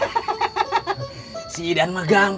kasih tujuh tahun